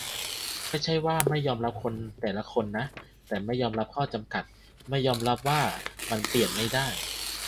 ไม่ใช่ว่าไม่ยอมรับคนแต่ละคนนะ แต่ไม่ยอมรับข้อจำกัด ไม่ยอมรับว่ามันเปลี่ยนไม่ได้